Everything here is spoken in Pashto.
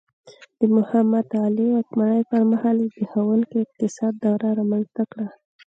د محمد علي واکمنۍ پر مهال زبېښونکي اقتصاد دوره رامنځته کړه.